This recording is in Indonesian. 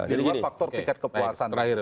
di luar faktor tingkat kepuasan